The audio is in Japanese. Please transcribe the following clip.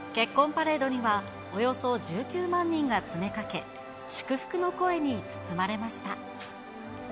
パレードにはおよそ１９万人が詰めかけ、祝福の声に包まれました。